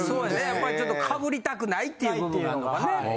やっぱりちょっとかぶりたくないっていうのがね。